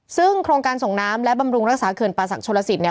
ซึ่งโครงการส่งน้ำและบำรุงรักษาเขื่อนป่าศักดิชนลสิตเนี่ย